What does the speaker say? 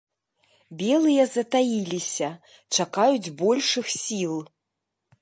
Белыя затаіліся, чакаюць большых сіл.